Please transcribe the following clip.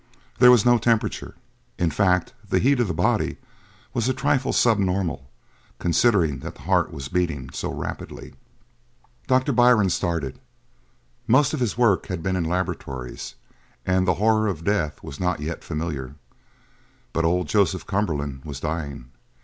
There was no temperature. In fact, the heat of the body was a trifle sub normal, considering that the heart was beating so rapidly. Doctor Byrne started. Most of his work had been in laboratories, and the horror of death was not yet familiar, but old Joseph Cumberland was dying.